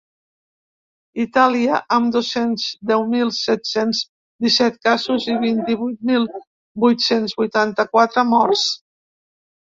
Itàlia, amb dos-cents deu mil set-cents disset casos i vint-i-vuit mil vuit-cents vuitanta-quatre morts.